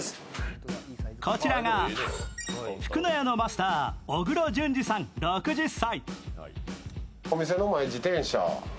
こちらがフクノヤのマスター、小黒准司さん、６０歳。